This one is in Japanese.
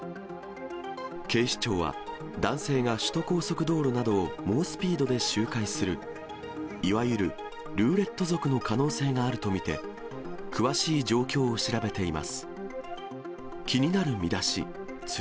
警視庁は、男性が首都高速道路などを猛スピードで周回するいわゆるルーレット族の可能性があると見て、詳しい状況を調べています。